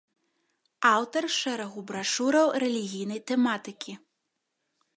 Аўтар шэрагу брашураў рэлігійнай тэматыкі.